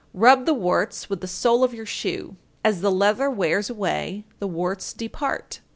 Rub the warts with the sole of your shoe; as the leather wears away, the warts depart.